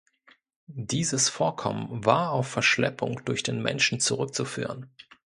Dieses Vorkommen war auf Verschleppung durch den Menschen zurückzuführen.